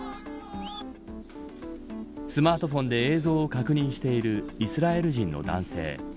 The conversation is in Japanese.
スマートフォンで映像を確認しているイスラエル人の男性。